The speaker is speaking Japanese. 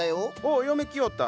お嫁来よった？